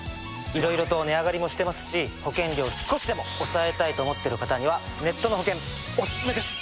いろいろと値上がりもしてますし保険料を少しでも抑えたいと思っている方にはネットの保険オススメです！